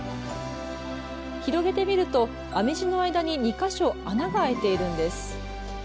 広げてみると編み地の間に２か所穴があいているんです。